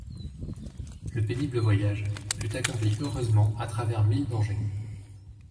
Le pénible voyage fut accompli heureusement à travers mille dangers.